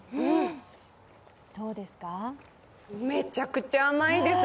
めちゃくちゃ甘いです。